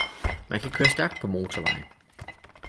Man kan køre stærkt på motorvejen.